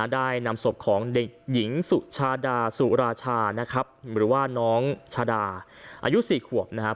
ได้นำศพของเด็กหญิงสุชาดาสุราชานะครับหรือว่าน้องชาดาอายุ๔ขวบนะครับ